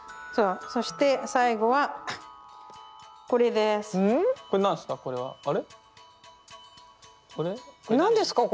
そして最後はこれです。